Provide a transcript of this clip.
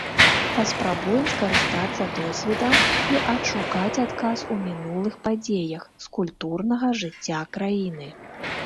Паспрабуем скарыстацца досведам і адшукаць адказ у мінулых падзеях з культурнага жыцця краіны.